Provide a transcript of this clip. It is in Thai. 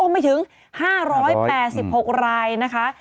ไม่ถึง๕๘๖รายนะคะ